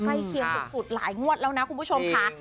เคียงสุดหลายงวดแล้วนะคุณผู้ชมค่ะ